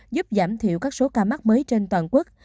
giúp giảm thiểu các số ca mắc mới trên toàn quốc